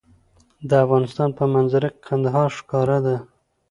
د افغانستان په منظره کې کندهار ښکاره ده.